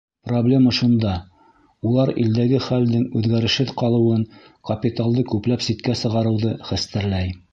Проблема шунда: улар илдәге хәлдең үҙгәрешһеҙ ҡалыуын, капиталды күпләп ситкә сығарыуҙы хәстәрләй.